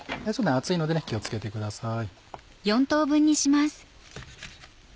熱いので気を付けてください。